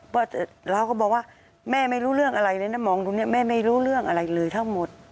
ว่าเราก็บอกว่าแม่ไม่รู้เรื่องอะไรเลยนะมองตรงนี้แม่ไม่รู้เรื่องอะไรเลยทั้งหมด